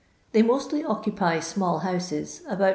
They mostly occupy small houses^ about 4s.